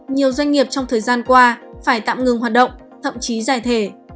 nhiều doanh nghiệp trong thời gian qua phải tạm ngừng hoạt động thậm chí giải thể